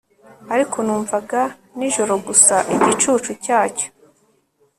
Ariko numvaga nijoro gusa igicucu cyacyo